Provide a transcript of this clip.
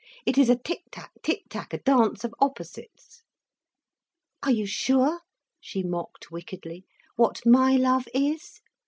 It is a tick tack, tick tack, a dance of opposites." "Are you sure?" she mocked wickedly, "what my love is?"